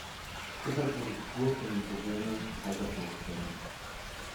Deshalb wurde die Burg von den Bewohnern „Kaiserburg“ genannt.